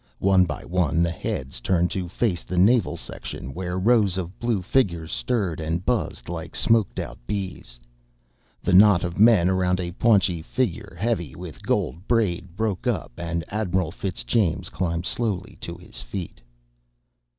One by one the heads turned to face the Naval section where rows of blue figures stirred and buzzed like smoked out bees. The knot of men around a paunchy figure heavy with gold braid broke up and Admiral Fitzjames climbed slowly to his feet.